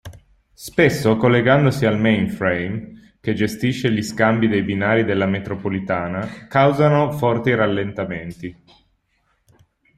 Spesso collegandosi al main-frame che gestisce gli scambi dei binari della metropolitana causano forti rallentamenti.